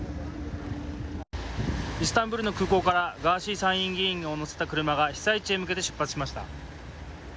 イスタンブールの空港からガーシー参議院議員を乗せた車が被災地へ向けて出発しました。